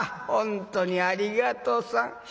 本当にありがとさん。